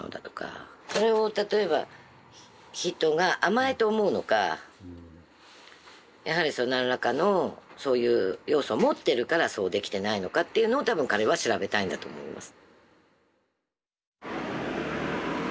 それを例えば人が甘えと思うのかやはり何らかのそういう要素を持ってるからそうできていないのかっていうのを多分彼は調べたいんだと思います。